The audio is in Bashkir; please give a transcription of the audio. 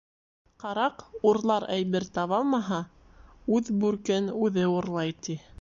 Ҡараҡ урлар әйбер табалмаһа, үҙ бүркен үҙе урлай, ти.